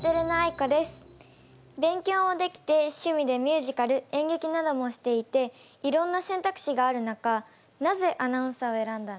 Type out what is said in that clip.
勉強もできて趣味でミュージカルえんげきなどもしていていろんな選択肢がある中なぜアナウンサーを選んだんですか？